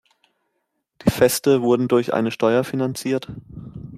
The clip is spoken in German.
Die Feste wurden durch eine Steuer finanziert.